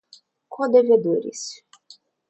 codevedores